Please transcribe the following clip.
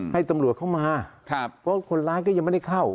ให้ตำรวจเข้ามาเพราะคนร้ายก็ยังไม่ได้เข้า